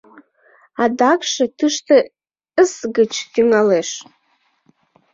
Адакшым тыште «С» гыч тӱҥалеш.